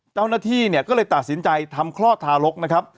เจ้าหน้าที่เนี่ยก็เลยตัดสินใจทำคลอดทารกนะครับ